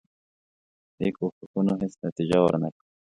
دې کوښښونو هیڅ نتیجه ورنه کړه.